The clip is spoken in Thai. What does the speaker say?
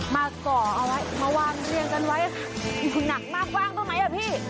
มาก่อเอาไว้มาวางเรียงกันไว้หนักมากว่างบ้างไหมอ่ะพี่